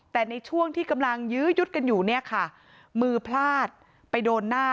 แต่ในช่วงที่กำลังยื้อยุดกันอยู่เนี่ยค่ะมือพลาดไปโดนหน้า